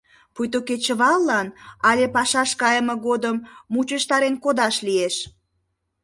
Пуйто кечываллан але пашаш кайыме годым мучыштарен кодаш лиеш.